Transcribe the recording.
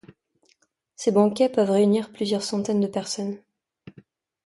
Ces banquets peuvent réunir plusieurs centaines de personnes.